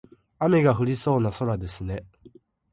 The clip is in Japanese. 雨が降りそうな空ですね。